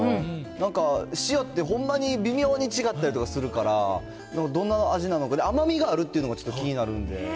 なんか、塩ってほんまに微妙に違ったりとかするから、どんな味なのか、甘みがあるっていうのもちょっと気になるんで。